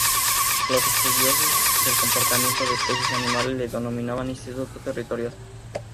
Los estudiosos del comportamiento de las especies animales le denominan instinto territorial.